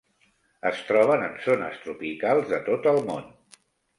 Es troben en zones tropicals de tot el món.